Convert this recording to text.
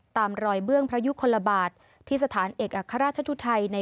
ตามรอยเบื้องพระยุคลบาทที่สถานเอกอัครราชทุไทยใน